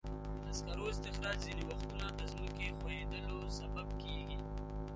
د سکرو استخراج ځینې وختونه د ځمکې ښویېدلو سبب کېږي.